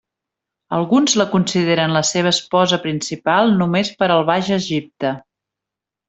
Alguns la consideren la seva esposa principal només per al Baix Egipte.